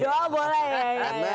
doakan boleh ya